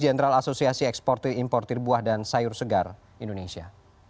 jenderal asosiasi ekspor impor tirbuah dan sayur segar indonesia